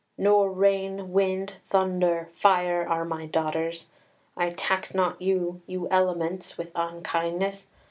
Nor rain, wind, thunder, fire, are my daughters. I tax not you, you elements, with unkindness.